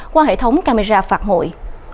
qua hệ thống camera phạt ngụy